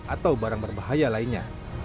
atau barang berbahaya lainnya